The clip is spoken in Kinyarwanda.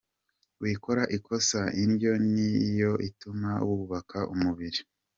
Wikora ikosa; indyo niyo ituma wubaka umubiri.